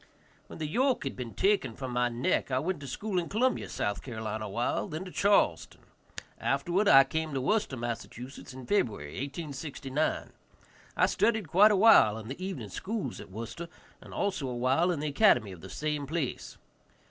When the yoke had been taken from my neck I went to school in Columbia, S.C., awhile, then to Charleston. Afterward I came to Worcester, Mass., in February, 1869. I studied quite a while in the evening schools at Worcester, and also a while in the academy of the same place.